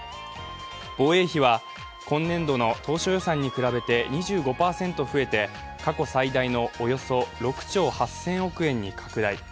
防衛費は、今年度の当初予算に比べて２５％増えて、過去最大のおよそ６兆８０００億円に拡大。